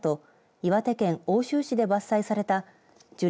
岩手県奥州市で伐採された樹齢